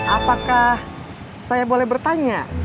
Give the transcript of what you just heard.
apakah saya boleh bertanya